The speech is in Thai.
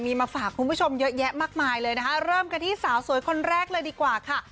มีมาฝากคุณผู้ชมเยอะแยะมากมายเลยนะคะเริ่มกันที่สาวสวยคนแรกเลยดีกว่าค่ะ